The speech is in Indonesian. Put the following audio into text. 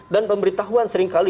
dan pemberitahuan seringkali